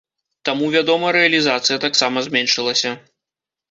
Таму, вядома, рэалізацыя таксама зменшылася.